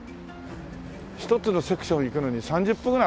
１つのセクション行くのに３０分ぐらい歩きそうですね。